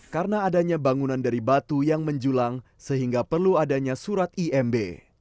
karena adanya bangunan dari batu yang menjulang sehingga perlu adanya surat imb